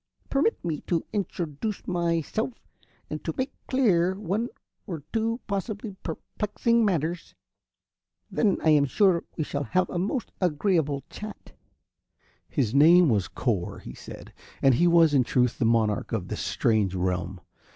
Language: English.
Permit me to introduce myself, and to make clear one or two possibly perplexing matters. Then I am sure we shall have a most agreeable chat." His name was Cor, he said, and he was in truth the monarch of this strange realm.